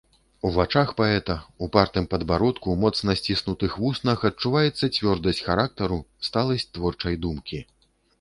У вачах паэта, упартым падбародку, моцна сціснутых вуснах адчуваецца цвёрдасць характару, сталасць творчай думкі.